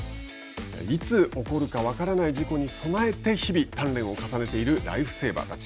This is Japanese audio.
いつ起こるか分からない事故に備えて日々、鍛錬を重ねているライフセーバーたち。